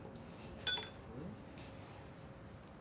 うん？